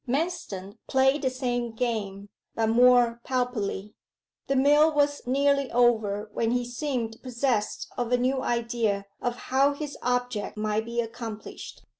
Manston played the same game, but more palpably. The meal was nearly over when he seemed possessed of a new idea of how his object might be accomplished.